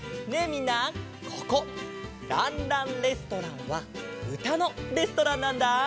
みんなここ「ランランレストラン」はうたのレストランなんだ。